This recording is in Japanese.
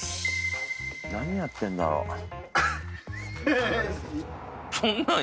何やってるんだろう。